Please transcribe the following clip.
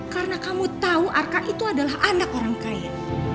karena kamu tahu arka itu adalah anak orang kaya